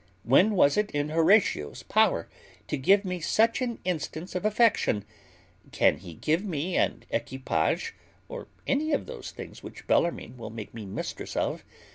When was it in Horatio's power to give me such an instance of affection? Can he give me an equipage, or any of those things which Bellarmine will make me mistress of?